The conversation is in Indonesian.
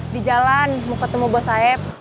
di jalan mau ketemu bos saeb